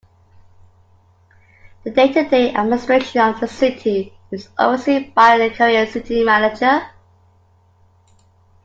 The day-to-day administration of the City is overseen by a career City Manager.